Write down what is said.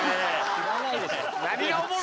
知らないでしょ。